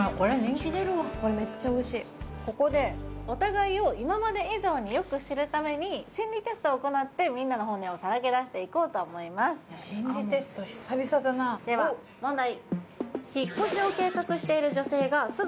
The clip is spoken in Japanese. これめっちゃおいしいここでお互いを今まで以上によく知るために心理テストを行ってみんなの本音をさらけ出していこうと思いますでは問題